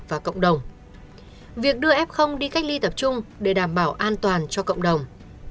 việc đưa f đi cách ly tập trung để đảm bảo an toàn cho cộng đồng